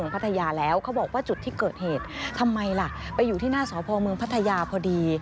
ไปอยู่ที่หน้าสอพอมเมืองพัทยาพอดี